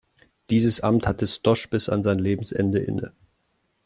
Dieses Amt hatte Stosch bis an sein Lebensende inne.